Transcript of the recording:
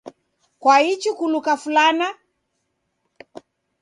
Kwaichi kuluka fulana?